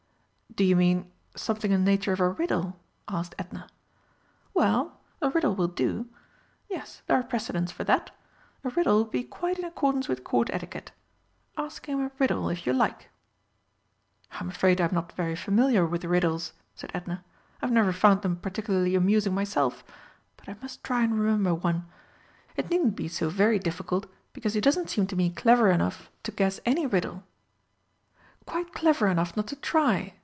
"Do you mean something in the nature of a riddle?" asked Edna. "Well, a riddle will do. Yes, there are precedents for that. A riddle would be quite in accordance with Court etiquette. Ask him a riddle if you like." "I'm afraid I am not very familiar with riddles," said Edna. "I have never found them particularly amusing myself. But I must try and remember one. It needn't be so very difficult, because he doesn't seem to me clever enough to guess any riddle." "Quite clever enough not to try!"